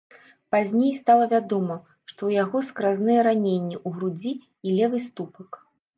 Пазней стала вядома, што ў яго скразныя раненні ў грудзі і левы ступак.